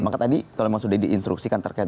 maka tadi kalau memang sudah diinstruksikan terkait